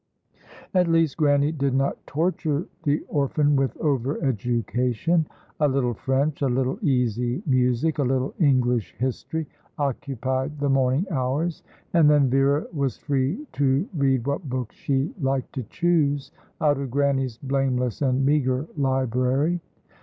At least Grannie did not torture the orphan with over education. A little French, a little easy music, a little English history, occupied the morning hours, and then Vera was free to read what books she liked to choose out of Grannie's blameless and meagre library.